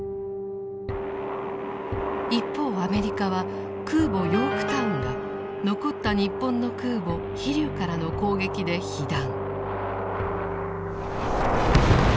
一方アメリカは空母「ヨークタウン」が残った日本の空母「飛龍」からの攻撃で被弾。